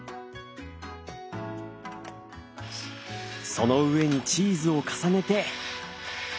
その上にチーズを重ねて。